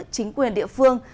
chính quyền địa phương